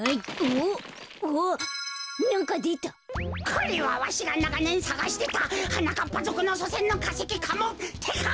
これはわしがながねんさがしてたはなかっぱぞくのそせんのかせきかもってか。